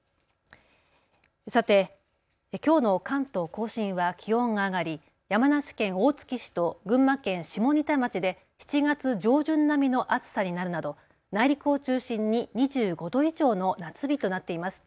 さて、きょうの関東甲信は気温が上がり山梨県大月市と群馬県下仁田町で７月上旬並みの暑さになるなど内陸を中心に２５度以上の夏日となっています。